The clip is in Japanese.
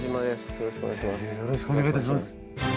よろしくお願いします。